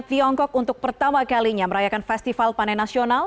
tiongkok untuk pertama kalinya merayakan festival panen nasional